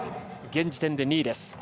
現時点で２位です。